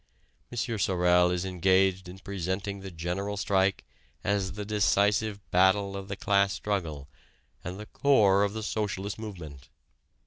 M. Sorel is engaged in presenting the General Strike as the decisive battle of the class struggle and the core of the socialist movement.